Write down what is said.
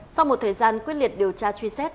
sau một thời gian quyết liệt điều tra truy xét